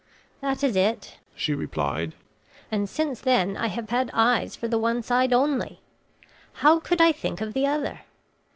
"That is it," she replied; "and since then I have had eyes for the one side only. How could I think of the other?